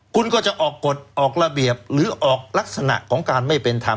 คุณก็จะออกกฎออกระเบียบหรือออกลักษณะของการไม่เป็นธรรม